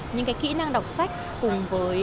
những cái kĩ năng đọc sách cùng với